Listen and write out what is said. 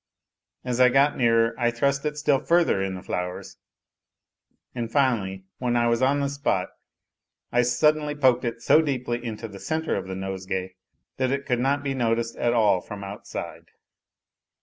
As I got nearer I thrust it still further in the flowers; and finally, when I was on the spot, I suddenly poked it so deeply into the centre of the nosegay that it could not be noticed at all from outside.